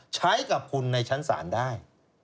ใช้กับคุณในชั้นศาลได้